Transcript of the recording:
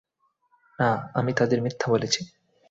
না, আমি তাদের মিথ্যা বলেছি।